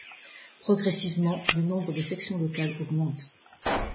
Progressivement, le nombre de sections locales augmente.